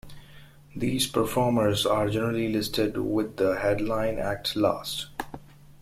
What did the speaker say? These performers are generally listed with the headline act last.